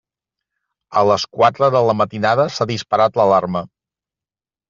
A les quatre de la matinada s'ha disparat l'alarma.